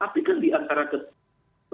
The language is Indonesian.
tapi kan diantara ketiga